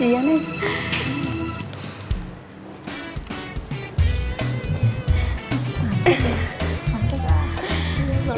mantap ya mantap ya